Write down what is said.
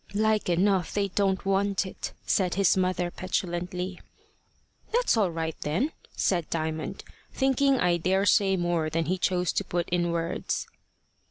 "Like enough they don't want it," said his mother, petulantly. "That's all right then," said Diamond, thinking I daresay more than he chose to put in words.